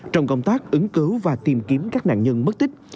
trong công tác ứng cứu và tìm kiếm các nạn nhân mất tích